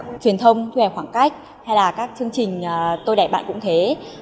về đào tạo truyền thông về khoảng cách hay là các chương trình tôi đại bạn cũng thế